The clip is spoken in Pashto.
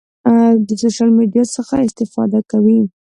د سوشل میډیا څخه استفاده کوئ؟